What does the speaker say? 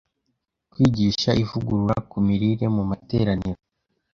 Kwigisha Ivugurura ku Mirire mu Materaniro